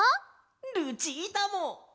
ルチータも。